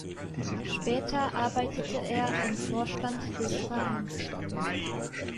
Später arbeitete er im Vorstand des Vereins.